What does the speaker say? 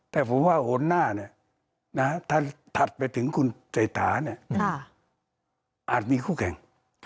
แต่ผมว่าหัวหน้าถ้าถัดไปถึงคุณเศรษฐาเนี่ยอาจมีคู่แข่ง